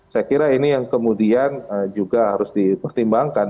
saya kira ini yang kemudian juga harus dipertimbangkan